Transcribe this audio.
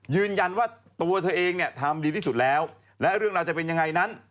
ยืนยันว่าตัวเธอเองเนี่ยทำดีที่สุดแล้วและเรื่องราวจะเป็นยังไงนั้น